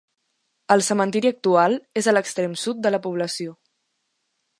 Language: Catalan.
El cementiri actual és a l'extrem sud de la població.